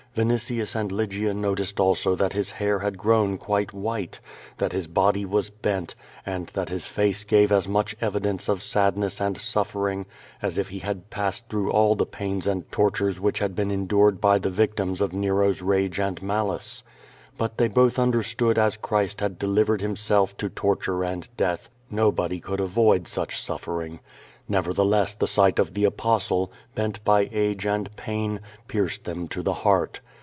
AMnitius and Lvgia noticed also that his hair had grown quite v.liite, that his body was bent, and that his face gave as much evidence of sadness and suffering as if he had ])assed through all the pains and tortures which had been en dured by the victims of Xero's rage and malice. But they both understood as Christ had delivered Himself to torture and death nobody could avoid such suffering. Nev ertheless the sight of the Apostle, bent by age and pain, pierced them to the heart.